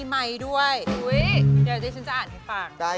แล้วจะได้ชาเลงส์อะไร